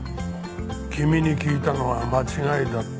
君に聞いたのが間違いだった。